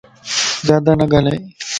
زيادا نه ڳالھائي